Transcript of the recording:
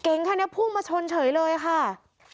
เก่งค่ะเนี่ยพูดมาชนเฉยเลยค่ะ